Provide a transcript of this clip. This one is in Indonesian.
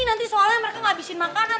nanti soalnya mereka gak abisin makanan